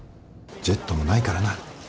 ジェットもないからな。